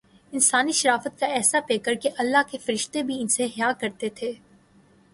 انسانی شرافت کاایسا پیکرکہ اللہ کے فرشتے بھی ان سے حیا کرتے تھے۔